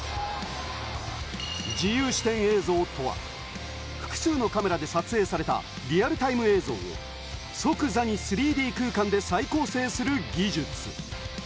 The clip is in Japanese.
自由視点映像とは、複数のカメラで撮影されたリアルタイム映像を即座に３Ｄ空間で再構成する技術。